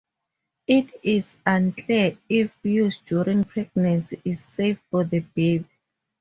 It is unclear if use during pregnancy is safe for the baby.